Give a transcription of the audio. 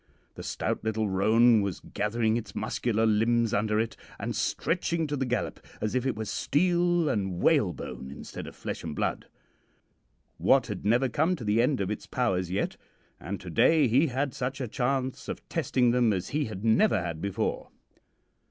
The stout little roan was gathering its muscular limbs under it, and stretching to the gallop as if it were steel and whale bone instead of flesh and blood. Wat had never come to the end of its powers yet, and to day he had such a chance of testing them as he had never had before.